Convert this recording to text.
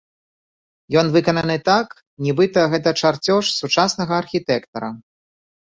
Ён выкананы так, нібыта, гэта чарцёж сучаснага архітэктара.